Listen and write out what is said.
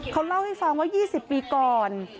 เขาเล่าให้ฟังว่า๒๐ปีก่อน